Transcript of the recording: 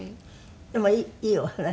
でもいいお話ね